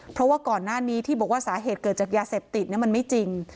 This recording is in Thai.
เพราะว่าก่อนหน้านี้ที่บอกว่าสาเหตุเกิดจากยาเสพติดมันไม่จริง